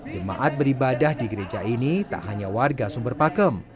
jemaat beribadah di gereja ini tak hanya warga sumber pakem